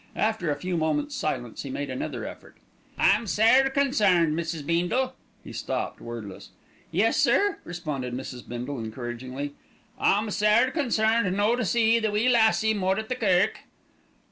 After a few moments' silence he made another effort. "I'm sair consairned, Mrs. Beendle " He stopped, wordless. "Yes, sir," responded Mrs. Bindle encouragingly. "I'm sair consairned no to see the wee lassie more at the kirk."